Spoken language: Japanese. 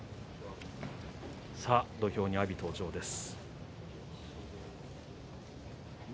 土俵、阿炎登場です。